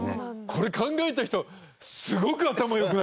これ考えた人すごく頭良くないですか？